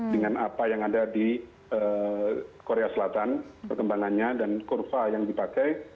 dengan apa yang ada di korea selatan perkembangannya dan kurva yang dipakai